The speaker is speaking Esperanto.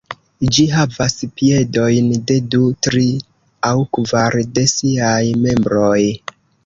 Ĝi havas piedojn de du, tri aŭ kvar de siaj membroj.